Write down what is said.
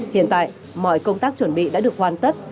hiện tại mọi công tác chuẩn bị đã được hoàn tất